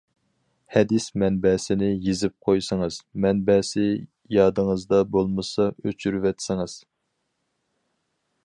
ھەدىس مەنبەسىنى يېزىپ قويسىڭىز، مەنبەسى يادىڭىزدا بولمىسا ئۆچۈرۈۋەتسىڭىز.